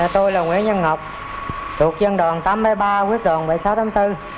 tôi là nguyễn nhân ngọc thuộc dân đoàn tám mươi ba quyết đoàn bảy mươi sáu tháng bốn